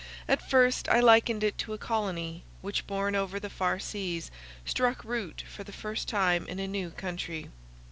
At first I likened it to a colony, which borne over the far seas, struck root for the first time in a new country.